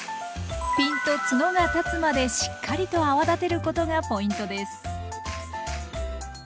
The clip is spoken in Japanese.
ピンとツノが立つまでしっかりと泡立てることがポイントです。